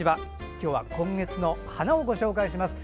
今日は今月の花をご紹介します。